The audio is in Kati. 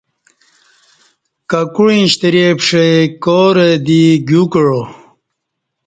کَکُعیں شترے پݜی کارہ دی گیو کعا